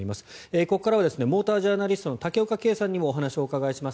ここからはモータージャーナリストの竹岡圭さんにもお話を伺います。